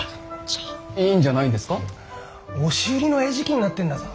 押し売りの餌食になってんだぞ。